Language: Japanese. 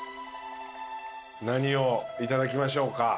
何をいただきましょうか？